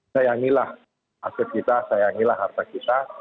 sayangilah aset kita sayangilah harta kita